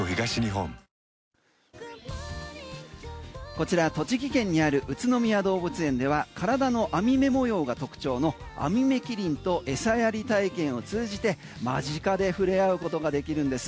こちら栃木県にある宇都宮動物園では体の網目模様が特徴のアミメキリンと餌やり体験を通じて間近で触れ合うことができるんです。